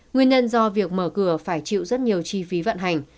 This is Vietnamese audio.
nguyên nhân do việc mở cửa phải chịu rất nhiều chi phí vận hành